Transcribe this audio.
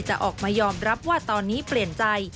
จะออกมายอมรับว่าตอนนี้เปลี่ยนใจ